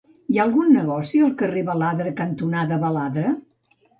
Hi ha algun negoci al carrer Baladre cantonada Baladre?